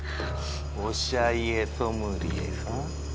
おしゃ家ソムリエさん？